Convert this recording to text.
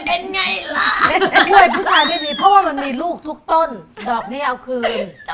ไอ้กล้วยผู้ชายดีเพราะว่ามันมีลูกทุกต้นดอกนี้เอาคืน